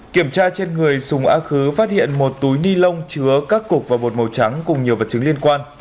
kiểm tra trên người sùng á khứ phát hiện một túi ni lông chứa các cục và bột màu trắng cùng nhiều vật chứng liên quan